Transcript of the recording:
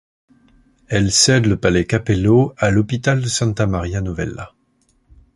Elle cède le palais Cappello à l'Hôpital de Santa Maria Novella.